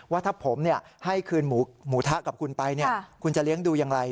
ว่าถ้าผมให้คืนหมูทะกับคุณไปคุณจะเลี้ยงดูอย่างไร